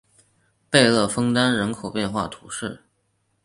贝勒枫丹人口变化图示